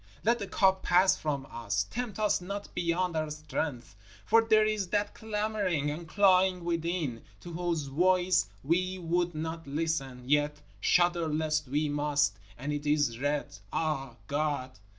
Let the cup pass from us, tempt us not beyond our strength, for there is that clamoring and clawing within, to whose voice we would not listen, yet shudder lest we must, and it is red, Ah! God!